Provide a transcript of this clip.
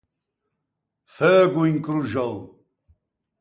Feugo incroxou.